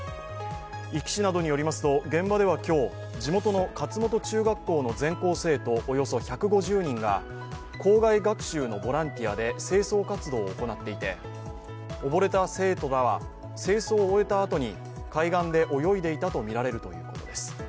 壱岐市などによりますと現場では今日、地元の勝本中学校の全校生徒およそ１５０人が校外学習のボランティアで清掃活動を行っていて、溺れた生徒らは清掃を終えたあとに海岸で泳いでいたとみられるということです。